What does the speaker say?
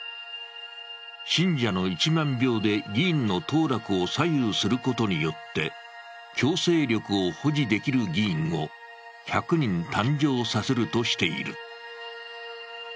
信者の１万票で議員の当落を左右することによって、強制力を保持できる議員を１００人誕生させるとしている。